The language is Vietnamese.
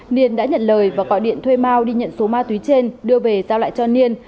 niên đã nhận lời và gọi điện thuê bao đi nhận số ma túy trên đưa về giao lại cho niên